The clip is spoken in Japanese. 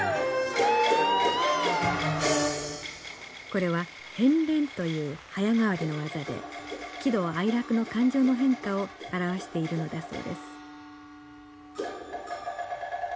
これは変面という早変わりの技で喜怒哀楽の感情の変化を表しているのだそうです